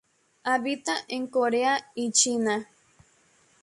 Habita en Corea y China.